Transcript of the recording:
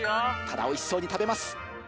ただおいしそうに食べます。